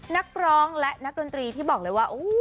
นักร้องและนักดนตรีที่บอกเลยว่า